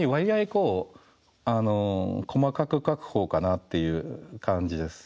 こう細かく描く方かなっていう感じです。